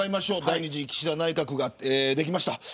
第２次岸田内閣ができました。